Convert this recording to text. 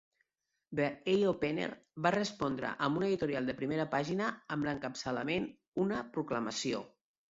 "The Eyeopener" va respondre amb un editorial de primera pàgina, amb l'encapçalament "una proclamació".